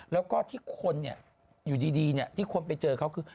แล้วก็ที่คนอยู่ดีที่คนไปเจอเขาคือ